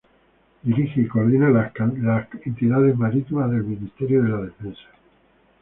Dirige y coordina las entidades marítimas del Ministerio de la Defensa.